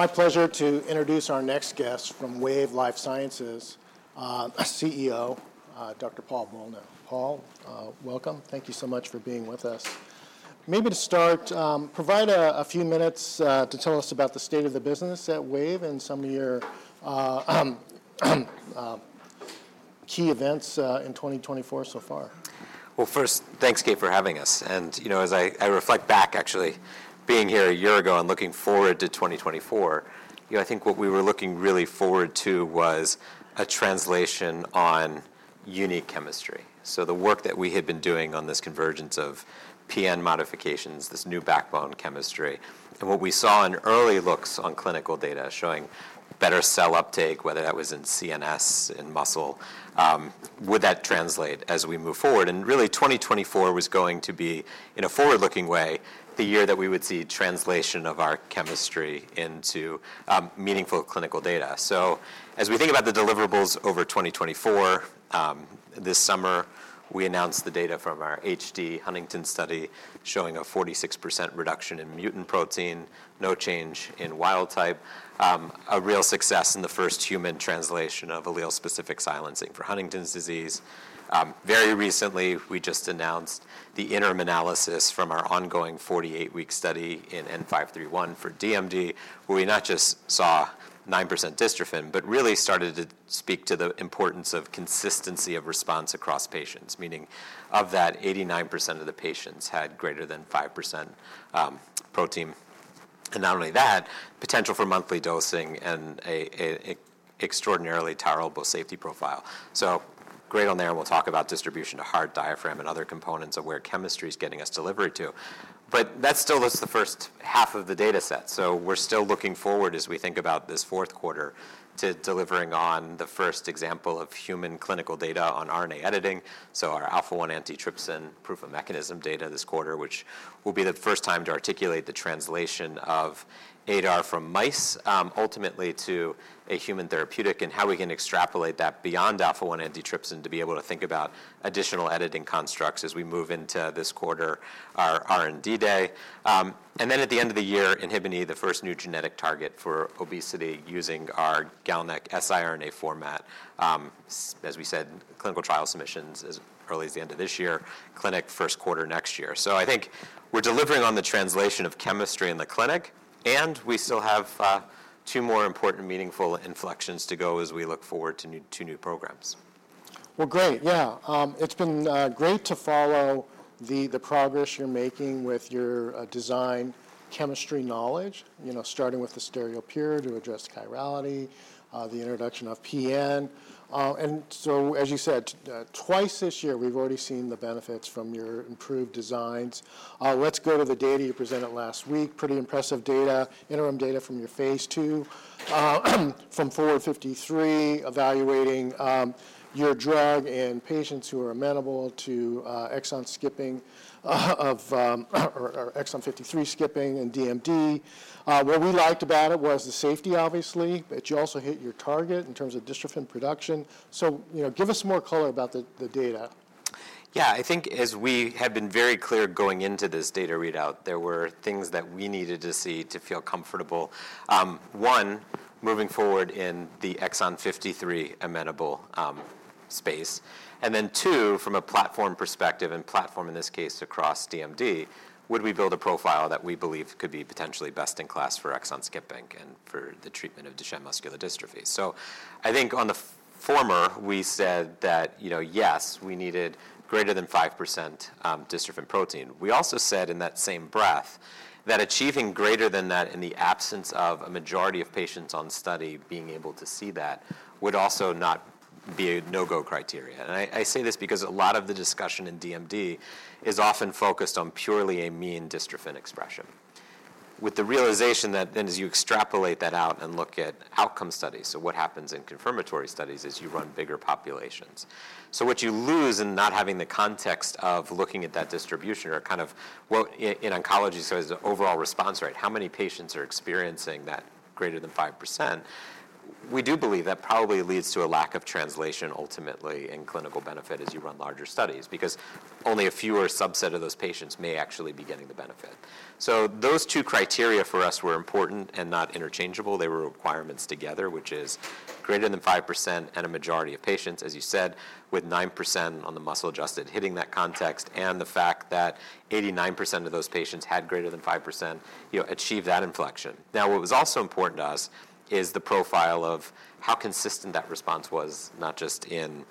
It's my pleasure to introduce our next guest from Wave Life Sciences, CEO Dr. Paul Bolno. Paul, welcome. Thank you so much for being with us. Maybe to start, provide a few minutes to tell us about the state of the business at Wave and some of your key events in 2024 so far. First, thanks, Gabe, for having us, and, you know, as I reflect back actually, being here a year ago and looking forward to 2024, you know, I think what we were looking really forward to was a translation on unique chemistry. The work that we had been doing on this convergence of PN modifications, this new backbone chemistry, and what we saw in early looks on clinical data showing better cell uptake, whether that was in CNS, in muscle, would that translate as we move forward? Really, 2024 was going to be, in a forward-looking way, the year that we would see translation of our chemistry into meaningful clinical data. So as we think about the deliverables over 2024, this summer, we announced the data from our HD Huntington study, showing a 46% reduction in mutant protein, no change in wild-type, a real success in the first human translation of allele-specific silencing for Huntington's disease. Very recently, we just announced the interim analysis from our ongoing 48-week study in WVE-N531 for DMD, where we not just saw 9% dystrophin, but really started to speak to the importance of consistency of response across patients, meaning of that, 89% of the patients had greater than 5% protein. And not only that, potential for monthly dosing and an extraordinarily tolerable safety profile. So great on there, and we'll talk about distribution to heart, diaphragm, and other components of where chemistry is getting us delivered to. But that still was the first half of the data set, so we're still looking forward as we think about this fourth quarter, to delivering on the first example of human clinical data on RNA editing, so our alpha-1 antitrypsin proof of mechanism data this quarter, which will be the first time to articulate the translation of ADAR from mice, ultimately to a human therapeutic, and how we can extrapolate that beyond alpha-1 antitrypsin to be able to think about additional editing constructs as we move into this quarter, our R&D Day. And then at the end of the year, Inhibin E, the first new genetic target for obesity using our GalNAc siRNA format. As we said, clinical trial submissions as early as the end of this year, clinical first quarter next year. So I think we're delivering on the translation of chemistry in the clinic, and we still have two more important, meaningful inflections to go as we look forward to new programs. Great. Yeah, it's been great to follow the progress you're making with your design chemistry knowledge, you know, starting with the stereopure to address chirality, the introduction of PN. And so, as you said, twice this year, we've already seen the benefits from your improved designs. Let's go to the data you presented last week. Pretty impressive data, interim data from your phase II FORWARD-53, evaluating your drug in patients who are amenable to exon skipping, or exon 53 skipping and DMD. What we liked about it was the safety, obviously, but you also hit your target in terms of dystrophin production. So, you know, give us more color about the data. Yeah, I think as we have been very clear going into this data readout, there were things that we needed to see to feel comfortable. One, moving forward in the exon 53 amenable space. And then two, from a platform perspective, and platform in this case across DMD, would we build a profile that we believe could be potentially best in class for exon skipping and for the treatment of Duchenne muscular dystrophy? So I think on the former, we said that, you know, yes, we needed greater than 5% dystrophin protein. We also said in that same breath, that achieving greater than that in the absence of a majority of patients on study being able to see that, would also not be a no-go criteria. I say this because a lot of the discussion in DMD is often focused on purely a mean dystrophin expression. With the realization that then as you extrapolate that out and look at outcome studies, so what happens in confirmatory studies is you run bigger populations. So what you lose in not having the context of looking at that distribution or, in oncology, so as the overall response rate, how many patients are experiencing that greater than 5%? We do believe that probably leads to a lack of translation, ultimately, in clinical benefit as you run larger studies, because only a fewer subset of those patients may actually be getting the benefit. So those two criteria for us were important and not interchangeable. They were requirements together, which is greater than 5% and a majority of patients, as you said, with 9% on the muscle adjusted, hitting that context, and the fact that 89% of those patients had greater than 5%, you know, achieve that inflection. Now, what was also important to us is the profile of how consistent that response was, not just in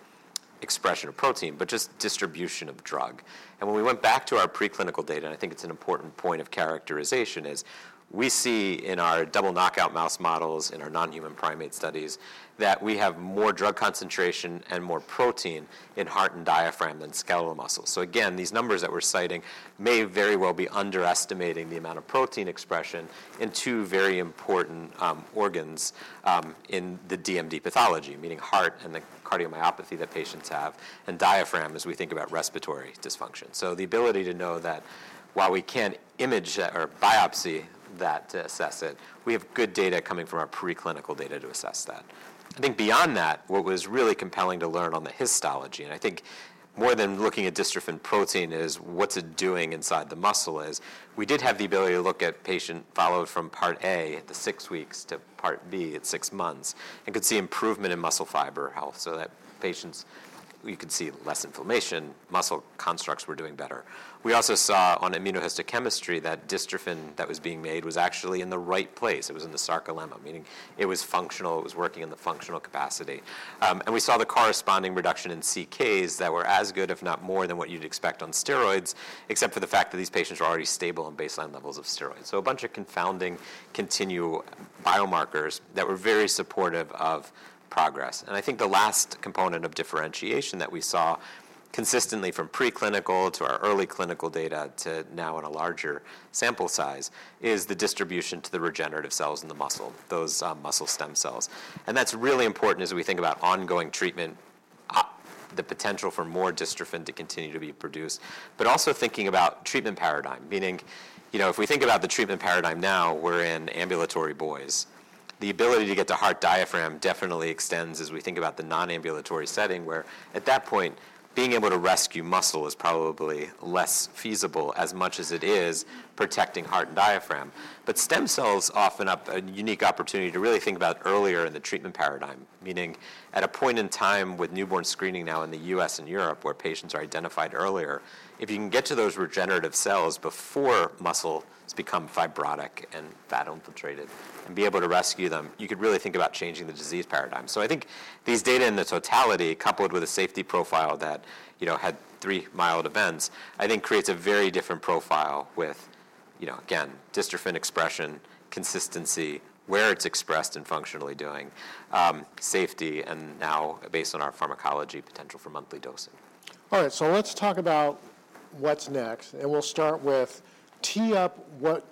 expression of protein, but just distribution of drug. And when we went back to our preclinical data, and I think it's an important point of characterization, is we see in our double knockout mouse models, in our non-human primate studies, that we have more drug concentration and more protein in heart and diaphragm than skeletal muscle. So again, these numbers that we're citing may very well be underestimating the amount of protein expression in two very important organs in the DMD pathology, meaning heart and the cardiomyopathy that patients have, and diaphragm, as we think about respiratory dysfunction. So the ability to know that while we can't image that or biopsy that to assess it, we have good data coming from our preclinical data to assess that. I think beyond that, what was really compelling to learn on the histology, and I think more than looking at dystrophin protein, is what's it doing inside the muscle. We did have the ability to look at patient followed from part A at the six weeks to part B at six months, and could see improvement in muscle fiber health, so that we could see less inflammation, muscle constructs were doing better. We also saw on immunohistochemistry that dystrophin that was being made was actually in the right place. It was in the sarcolemma, meaning it was functional, it was working in the functional capacity. And we saw the corresponding reduction in CKs that were as good, if not more, than what you'd expect on steroids, except for the fact that these patients were already stable on baseline levels of steroids. So a bunch of confounding continued biomarkers that were very supportive of progress. And I think the last component of differentiation that we saw consistently from preclinical to our early clinical data, to now in a larger sample size, is the distribution to the regenerative cells in the muscle, those, muscle stem cells. And that's really important as we think about ongoing treatment, the potential for more dystrophin to continue to be produced, but also thinking about treatment paradigm. Meaning, you know, if we think about the treatment paradigm now, we're in ambulatory boys. The ability to get to heart diaphragm definitely extends as we think about the non-ambulatory setting, where at that point, being able to rescue muscle is probably less feasible as much as it is protecting heart and diaphragm. But stem cells open up a unique opportunity to really think about earlier in the treatment paradigm, meaning at a point in time with newborn screening now in the U.S. and Europe, where patients are identified earlier, if you can get to those regenerative cells before muscle has become fibrotic and fat infiltrated and be able to rescue them, you could really think about changing the disease paradigm. So I think these data in their totality, coupled with a safety profile that, you know, had three mild events, I think creates a very different profile with, you know, again, dystrophin expression, consistency, where it's expressed and functionally doing, safety, and now, based on our pharmacology potential for monthly dosing. All right, so let's talk about what's next, and we'll start with tee up what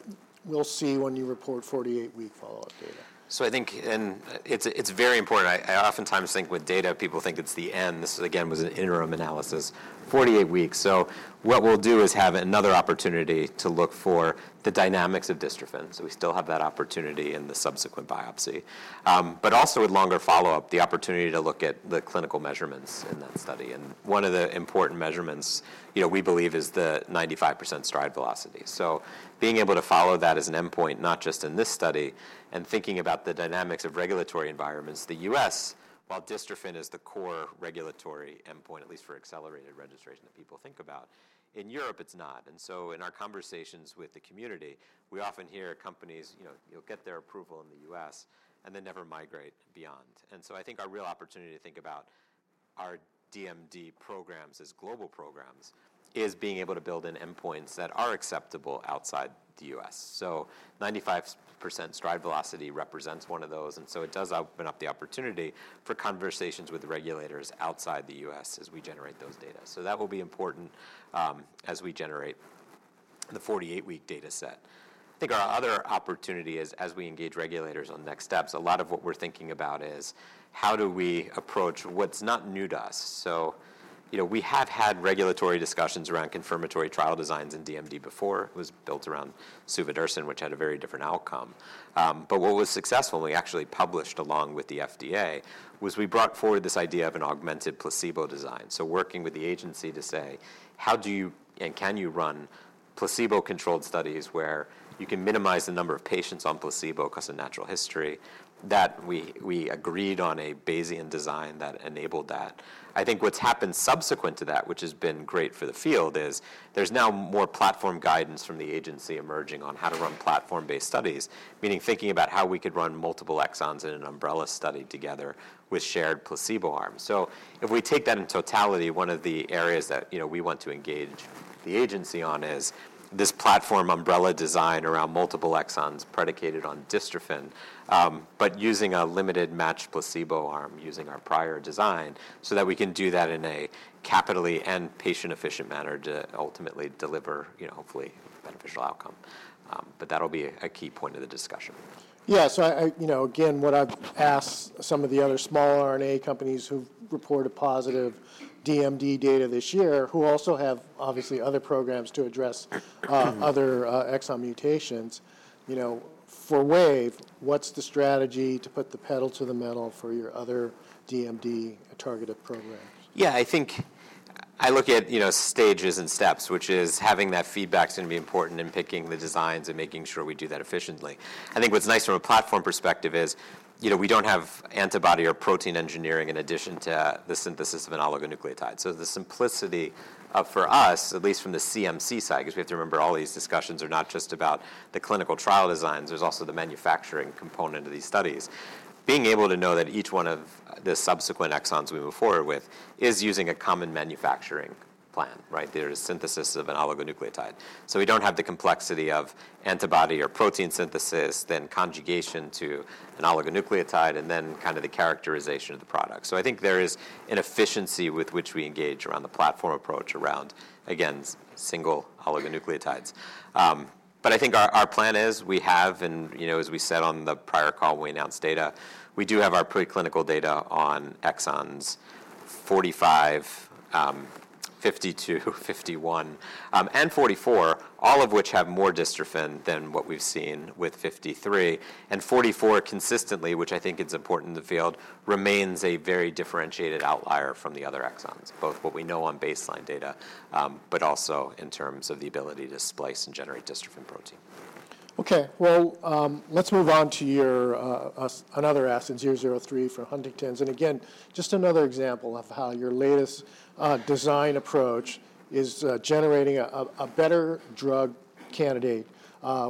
we'll see when you report 48-week follow-up data. So I think, and it's very important. I oftentimes think with data, people think it's the end. This, again, was an interim analysis, 48 weeks. So what we'll do is have another opportunity to look for the dynamics of dystrophin. So we still have that opportunity in the subsequent biopsy. But also with longer follow-up, the opportunity to look at the clinical measurements in that study. And one of the important measurements, you know, we believe, is the 95% stride velocity. So being able to follow that as an endpoint, not just in this study, and thinking about the dynamics of regulatory environments, the U.S., while dystrophin is the core regulatory endpoint, at least for accelerated registration that people think about, in Europe, it's not. And so in our conversations with the community, we often hear companies, you know, you'll get their approval in the U.S. and then never migrate beyond. And so I think our real opportunity to think about our DMD programs as global programs is being able to build in endpoints that are acceptable outside the U.S. So 95% stride velocity represents one of those, and so it does open up the opportunity for conversations with regulators outside the U.S. as we generate those data. So that will be important as we generate the 48-week data set. I think our other opportunity is, as we engage regulators on next steps, a lot of what we're thinking about is how do we approach what's not new to us. So, you know, we have had regulatory discussions around confirmatory trial designs in DMD before. It was built around Suvodirsen, which had a very different outcome, but what was successful, and we actually published along with the FDA, was we brought forward this idea of an augmented placebo design, so working with the agency to say: How do you, and can you run placebo-controlled studies where you can minimize the number of patients on placebo 'cause of natural history? That we agreed on a Bayesian design that enabled that. I think what's happened subsequent to that, which has been great for the field, is there's now more platform guidance from the agency emerging on how to run platform-based studies, meaning thinking about how we could run multiple exons in an umbrella study together with shared placebo arms. So if we take that in totality, one of the areas that, you know, we want to engage the agency on is this platform umbrella design around multiple exons predicated on dystrophin, but using a limited match placebo arm, using our prior design, so that we can do that in a capital- and patient-efficient manner to ultimately deliver, you know, hopefully a beneficial outcome. But that'll be a key point of the discussion. Yeah. So I... You know, again, what I've asked some of the other small RNA companies who've reported positive DMD data this year, who also have, obviously, other programs to address other exon mutations, you know, for Wave, what's the strategy to put the pedal to the metal for your other DMD targeted programs? Yeah, I think I look at, you know, stages and steps, which is having that feedback is gonna be important in picking the designs and making sure we do that efficiently. I think what's nice from a platform perspective is, you know, we don't have antibody or protein engineering in addition to the synthesis of an oligonucleotide. So the simplicity, for us, at least from the CMC side, 'cause we have to remember all these discussions are not just about the clinical trial designs, there's also the manufacturing component of these studies. Being able to know that each one of the subsequent exons we move forward with is using a common manufacturing plan, right? There is synthesis of an oligonucleotide. So we don't have the complexity of antibody or protein synthesis, then conjugation to an oligonucleotide, and then kind of the characterization of the product. I think there is an efficiency with which we engage around the platform approach around, again, single oligonucleotides. But I think our plan is, we have, you know, as we said on the prior call when we announced data, we do have our preclinical data on exons 45, 52, 51, and 44, all of which have more dystrophin than what we've seen with 53, and 44 consistently, which I think is important in the field, remains a very differentiated outlier from the other exons, both what we know on baseline data, but also in terms of the ability to splice and generate dystrophin protein.... Okay, well, let's move on to your other asset, 003 for Huntington's. And again, just another example of how your latest design approach is generating a better drug candidate.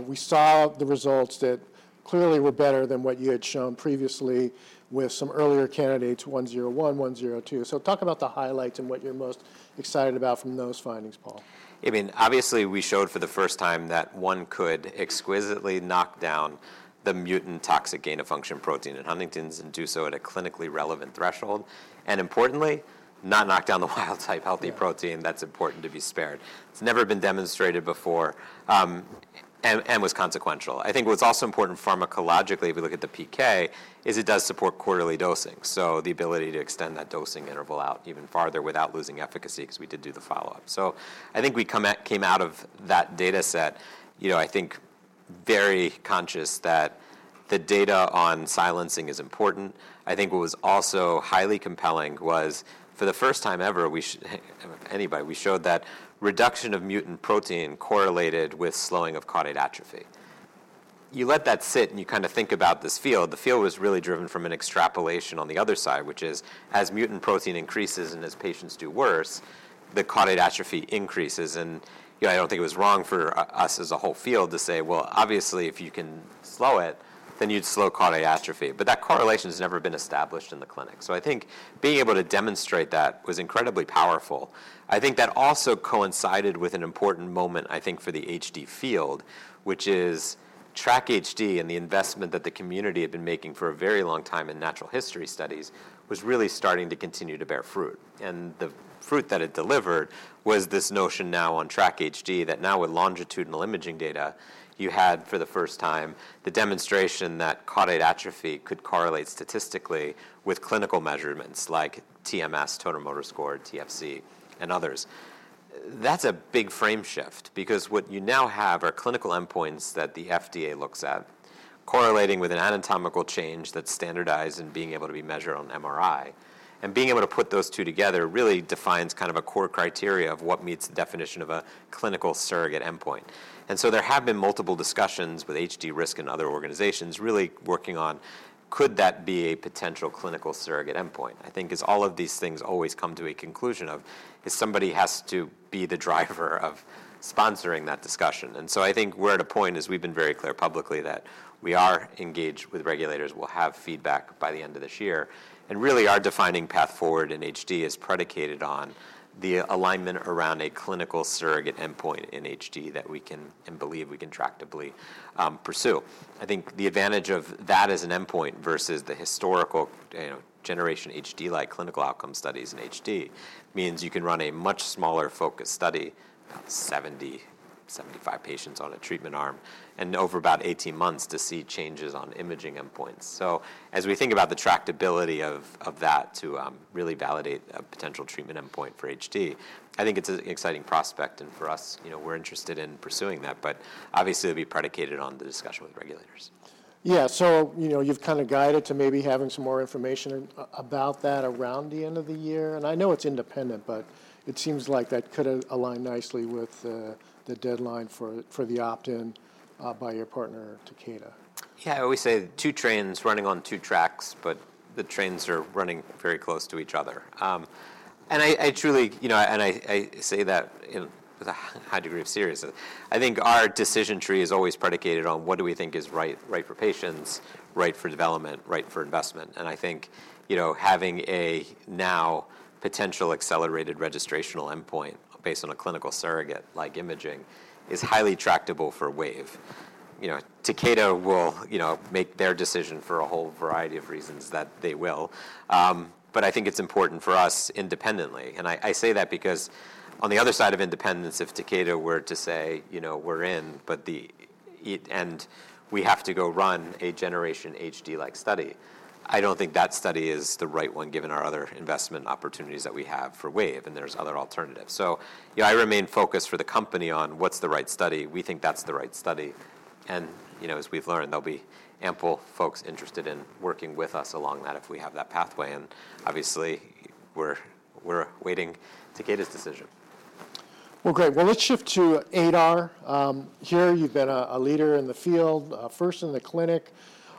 We saw the results that clearly were better than what you had shown previously with some earlier candidates, 101, 102. So talk about the highlights and what you're most excited about from those findings, Paul. I mean, obviously, we showed for the first time that one could exquisitely knock down the mutant toxic gain-of-function protein in Huntington's, and do so at a clinically relevant threshold, and importantly, not knock down the wild-type healthy protein- Yeah... that's important to be spared. It's never been demonstrated before, and was consequential. I think what's also important pharmacologically, if you look at the PK, is it does support quarterly dosing, so the ability to extend that dosing interval out even farther without losing efficacy, 'cause we did do the follow-up. So I think we come out - came out of that data set, you know, I think, very conscious that the data on silencing is important. I think what was also highly compelling was, for the first time ever, we showed that reduction of mutant protein correlated with slowing of caudate atrophy. You let that sit, and you kind of think about this field, the field was really driven from an extrapolation on the other side, which is, as mutant protein increases and as patients do worse, the caudate atrophy increases. You know, I don't think it was wrong for us as a whole field to say: Well, obviously, if you can slow it, then you'd slow caudate atrophy. That correlation has never been established in the clinic. I think being able to demonstrate that was incredibly powerful. I think that also coincided with an important moment, I think, for the HD field, which is TRACK-HD and the investment that the community had been making for a very long time in natural history studies, was really starting to continue to bear fruit. The fruit that it delivered was this notion now on TRACK-HD, that now with longitudinal imaging data, you had, for the first time, the demonstration that caudate atrophy could correlate statistically with clinical measurements like TMS, Total Motor Score, TFC, and others. That's a big frame shift, because what you now have are clinical endpoints that the FDA looks at, correlating with an anatomical change that's standardized and being able to be measured on an MRI. Being able to put those two together really defines kind of a core criteria of what meets the definition of a clinical surrogate endpoint. There have been multiple discussions with HD-RSC and other organizations really working on: Could that be a potential clinical surrogate endpoint? I think as all of these things always come to a conclusion of, somebody has to be the driver of sponsoring that discussion. We're at a point, as we've been very clear publicly, that we are engaged with regulators. We'll have feedback by the end of this year. And really, our defining path forward in HD is predicated on the alignment around a clinical surrogate endpoint in HD that we can and believe we can tractably pursue. I think the advantage of that as an endpoint versus the historical, you know, Generation HD-like clinical outcome studies in HD means you can run a much smaller focused study, about 70-75 patients on a treatment arm, and over about 18 months to see changes on imaging endpoints. So as we think about the tractability of that to really validate a potential treatment endpoint for HD, I think it's an exciting prospect, and for us, you know, we're interested in pursuing that. But obviously, it'll be predicated on the discussion with regulators. Yeah, so, you know, you've kind of guided to maybe having some more information about that around the end of the year. And I know it's independent, but it seems like that could align nicely with the deadline for the opt-in by your partner, Takeda. Yeah, I always say two trains running on two tracks, but the trains are running very close to each other. And I truly, you know, and I say that in, with a high degree of seriousness. I think our decision tree is always predicated on what do we think is right, right for patients, right for development, right for investment. And I think, you know, having a now potential accelerated registrational endpoint based on a clinical surrogate, like imaging, is highly tractable for Wave. You know, Takeda will, you know, make their decision for a whole variety of reasons that they will. But I think it's important for us independently, and I say that because on the other side of independence, if Takeda were to say, you know, "We're in, but the, it... And we have to go run a generation HD-like study." I don't think that study is the right one, given our other investment opportunities that we have for Wave, and there's other alternatives. So, you know, I remain focused for the company on what's the right study. We think that's the right study, and, you know, as we've learned, there'll be ample folks interested in working with us along that if we have that pathway, and obviously, we're waiting Takeda's decision. Great. Let's shift to ADAR. Here you've been a leader in the field, first in the clinic.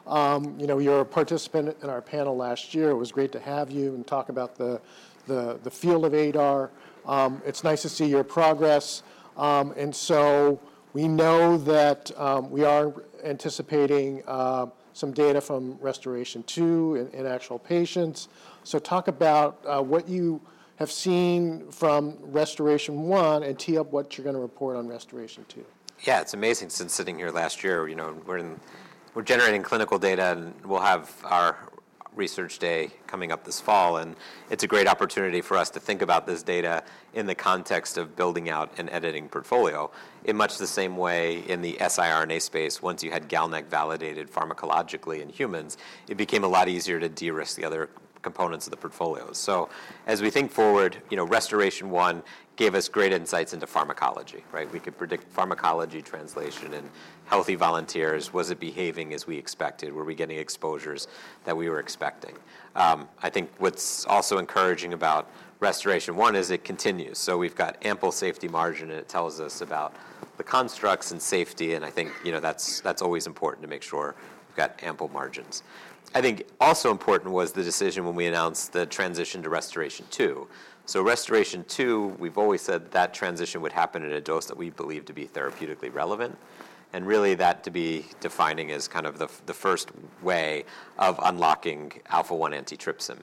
You know, you were a participant in our panel last year. It was great to have you and talk about the field of ADAR. It's nice to see your progress. We know that we are anticipating some data from RestorAATion-2 in actual patients. Talk about what you have seen from RestorAATion-1, and tee up what you're going to report on RestorAATion-2. Yeah, it's amazing, since sitting here last year, you know, we're in, we're generating clinical data, and we'll have our research day coming up this fall, and it's a great opportunity for us to think about this data in the context of building out an editing portfolio, in much the same way in the siRNA space. Once you had GalNAc validated pharmacologically in humans, it became a lot easier to de-risk the other components of the portfolios. So as we think forward, you know, RestorAATion-1 gave us great insights into pharmacology, right? We could predict pharmacology translation in healthy volunteers. Was it behaving as we expected? Were we getting exposures that we were expecting? I think what's also encouraging about RestorAATion-1 is it continues, so we've got ample safety margin, and it tells us about the constructs and safety, and I think, you know, that's, that's always important to make sure we've got ample margins. I think also important was the decision when we announced the transition to RestorAATion-2. So RestorAATion-2, we've always said that transition would happen at a dose that we believe to be therapeutically relevant, and really, that to be defining as kind of the, the first way of unlocking alpha-1 antitrypsin.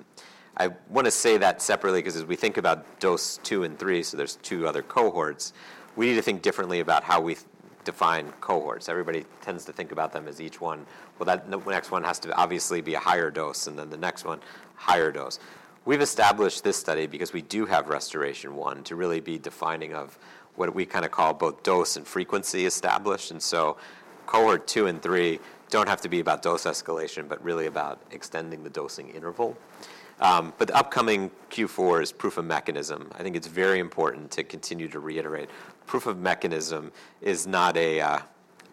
I want to say that separately, 'cause as we think about dose two and three, so there's two other cohorts, we need to think differently about how we define cohorts. Everybody tends to think about them as each one. That, the next one has to obviously be a higher dose, and then the next one, higher dose. We've established this study because we do have RestorAATion-1 to really be defining of what we kind of call both dose and frequency established, and so Cohort Two and Three don't have to be about dose escalation, but really about extending the dosing interval. But the upcoming Q4 is proof of mechanism. I think it's very important to continue to reiterate: proof of mechanism is not a,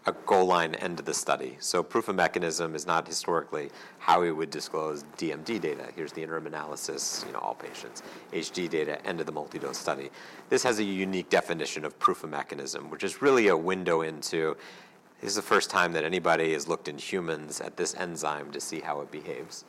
a goal-line end to the study. So proof of mechanism is not historically how we would disclose DMD data. Here's the interim analysis, you know, all patients, HD data, end of the multi-dose study. This has a unique definition of proof of mechanism, which is really a window into... This is the first time that anybody has looked in humans at this enzyme to see how it behaves,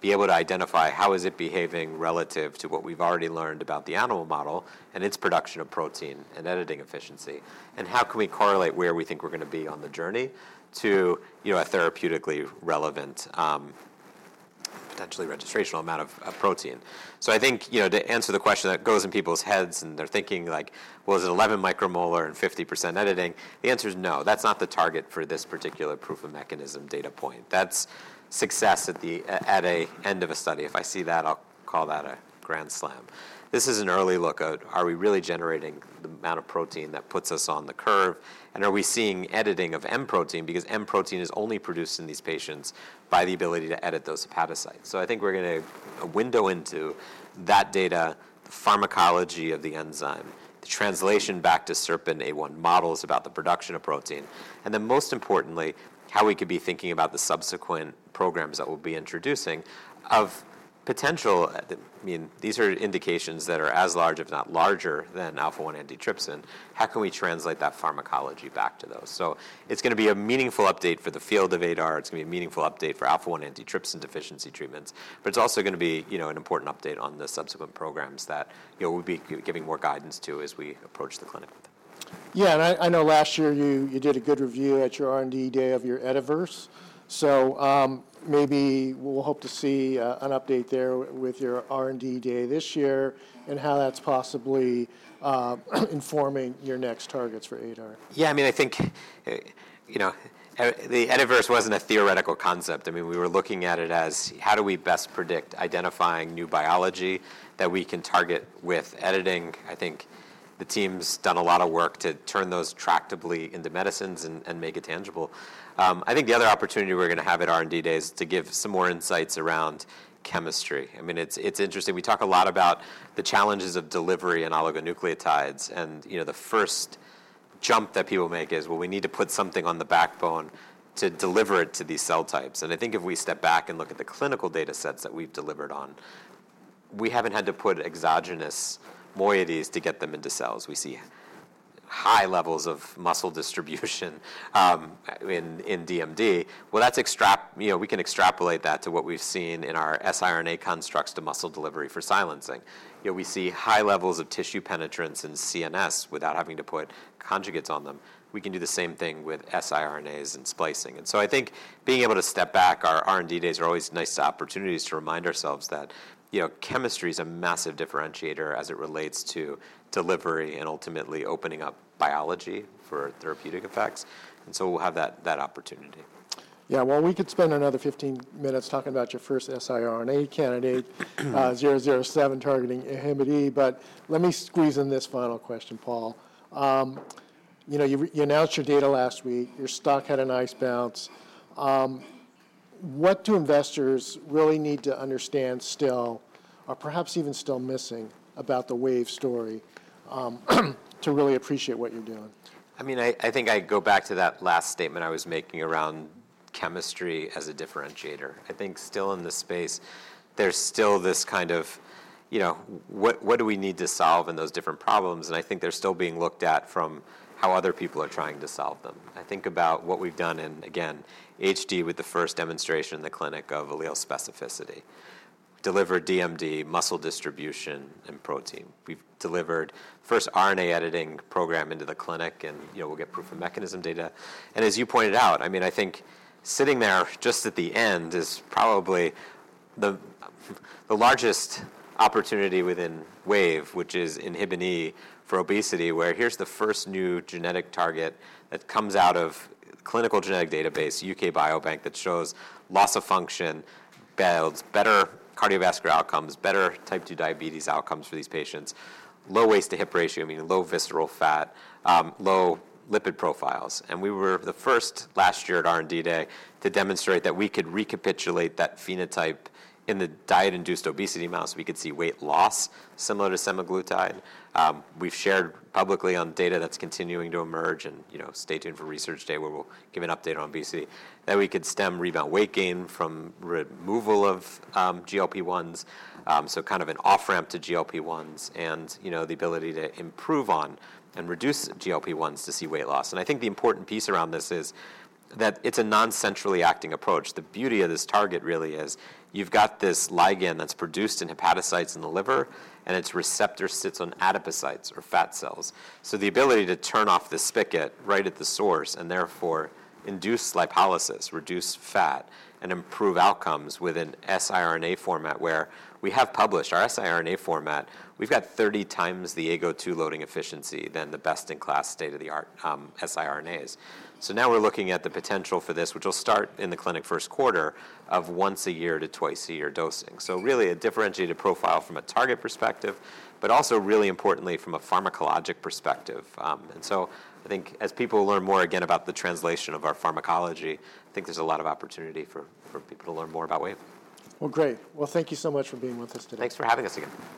be able to identify how is it behaving relative to what we've already learned about the animal model and its production of protein and editing efficiency, and how can we correlate where we think we're going to be on the journey to, you know, a therapeutically relevant, potentially registrational amount of protein. So I think, you know, to answer the question that goes in people's heads, and they're thinking like, "Well, is it 11 micromolar and 50% editing?" The answer is no. That's not the target for this particular proof of mechanism data point. That's success at the end of a study. If I see that, I'll call that a grand slam. This is an early look at: are we really generating the amount of protein that puts us on the curve, and are we seeing editing of M protein? Because M protein is only produced in these patients by the ability to edit those hepatocytes. So I think we're getting a window into that data, the pharmacology of the enzyme, the translation back to SERPINA1 models about the production of protein, and then, most importantly, how we could be thinking about the subsequent programs that we'll be introducing of potential- I mean, these are indications that are as large, if not larger, than alpha-1 antitrypsin. How can we translate that pharmacology back to those? So it's going to be a meaningful update for the field of ADAR. It's going to be a meaningful update for alpha-1 antitrypsin deficiency treatments, but it's also going to be, you know, an important update on the subsequent programs that, you know, we'll be giving more guidance to as we approach the clinic. Yeah, and I know last year you did a good review at your R&D day of your EditVerse. So, maybe we'll hope to see an update there with your R&D day this year and how that's possibly informing your next targets for ADAR. Yeah, I mean, I think, you know, the EditVerse wasn't a theoretical concept. I mean, we were looking at it as: How do we best predict identifying new biology that we can target with editing? I think the team's done a lot of work to turn those tractably into medicines and make it tangible. I think the other opportunity we're going to have at R&D Day is to give some more insights around chemistry. I mean, it's interesting. We talk a lot about the challenges of delivery in oligonucleotides, and, you know, the first jump that people make is, well, we need to put something on the backbone to deliver it to these cell types. And I think if we step back and look at the clinical data sets that we've delivered on, we haven't had to put exogenous moieties to get them into cells. We see high levels of muscle distribution in DMD. You know, we can extrapolate that to what we've seen in our siRNA constructs to muscle delivery for silencing. You know, we see high levels of tissue penetrance in CNS without having to put conjugates on them. We can do the same thing with siRNAs and splicing. And so I think being able to step back, our R&D Days are always nice opportunities to remind ourselves that, you know, chemistry is a massive differentiator as it relates to delivery and ultimately opening up biology for therapeutic effects, and so we'll have that opportunity. Yeah, well, we could spend another 15 minutes talking about your first siRNA candidate, 007, targeting Inhibin E, but let me squeeze in this final question, Paul. You know, you announced your data last week. Your stock had a nice bounce. What do investors really need to understand still, or perhaps even still missing, about the Wave story, to really appreciate what you're doing? I mean, I think I go back to that last statement I was making around chemistry as a differentiator. I think still in this space, there's still this kind of, you know, what do we need to solve in those different problems? And I think they're still being looked at from how other people are trying to solve them. I think about what we've done in, again, HD with the first demonstration in the clinic of allele specificity, delivered DMD, muscle distribution, and protein. We've delivered first RNA editing program into the clinic, and, you know, we'll get proof of mechanism data. And as you pointed out, I mean, I think sitting there just at the end is probably the largest opportunity within Wave, which is Inhibin E for obesity, where here's the first new genetic target that comes out of clinical genetic database, UK Biobank, that shows loss of function, builds better cardiovascular outcomes, better type two diabetes outcomes for these patients, low waist to hip ratio, meaning low visceral fat, low lipid profiles. And we were the first last year at R&D Day to demonstrate that we could recapitulate that phenotype in the diet-induced obesity mouse. We could see weight loss similar to semaglutide. We've shared publicly on data that's continuing to emerge and, you know, stay tuned for Research Day, where we'll give an update on obesity, that we could stem rebound weight gain from removal of, GLP-1s. So kind of an off-ramp to GLP-1s and, you know, the ability to improve on and reduce GLP-1s to see weight loss. And I think the important piece around this is that it's a non-centrally acting approach. The beauty of this target really is you've got this ligand that's produced in hepatocytes in the liver, and its receptor sits on adipocytes or fat cells. So the ability to turn off the spigot right at the source, and therefore induce lipolysis, reduce fat, and improve outcomes with an siRNA format where we have published our siRNA format. We've got 30 times the AGO2 loading efficiency than the best-in-class state-of-the-art siRNAs. So now we're looking at the potential for this, which will start in the clinic first quarter of once a year to twice a year dosing. So really a differentiated profile from a target perspective, but also really importantly, from a pharmacologic perspective. And so I think as people learn more again about the translation of our pharmacology, I think there's a lot of opportunity for people to learn more about Wave. Great. Thank you so much for being with us today. Thanks for having us again.